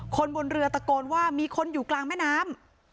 คนบนเรือตะโกนว่ามีคนอยู่กลางแม่น้ำ